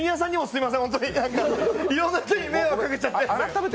いろんな人に迷惑かけちゃって。